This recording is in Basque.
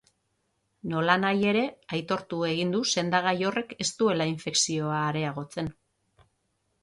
Nolanahi ere, aitortu egin du sendagai horrek ez duela infekzioa areagotzen.